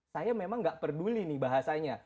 saya memang tidak peduli bahasanya